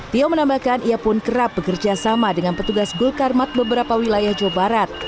tio menambahkan ia pun kerap bekerja sama dengan petugas gul karmat beberapa wilayah jawa barat